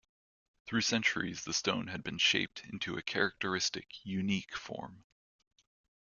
Through centuries, the stone has been shaped into a characteristic, unique form.